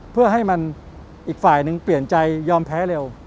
เพื่อให้มันอีกฝ่ายหนึ่งเปลี่ยนใจยอมแพ้เร็ว